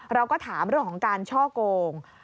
เราก็ถามเรื่องของการช่อโกง